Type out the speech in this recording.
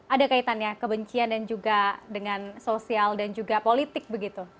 ada kaitannya kebencian dan juga dengan sosial dan juga politik begitu